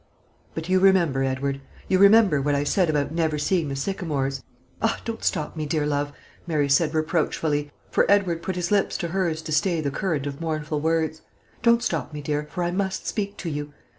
"But you remember, Edward, you remember what I said about never seeing the Sycamores? Ah! don't stop me, dear love," Mary said reproachfully, for Edward put his lips to hers to stay the current of mournful words, "don't stop me, dear, for I must speak to you.